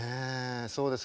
そうですか。